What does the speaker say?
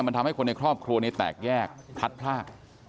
มันทำให้คนในครอบครัวนี้แตกแยกพลัดพลาก